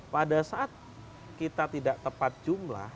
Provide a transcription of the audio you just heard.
pada saat kita tidak tepat jumlah